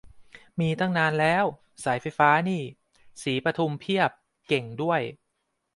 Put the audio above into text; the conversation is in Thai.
มีตั้งนานแล้ว สายไฟฟ้านี่ ศรีปทุมเพียบ เก่งด้วย